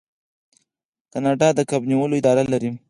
کاناډا د کب نیولو اداره لري.